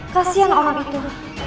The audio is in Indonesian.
kasian orang itu